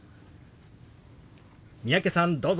三宅さんどうぞ。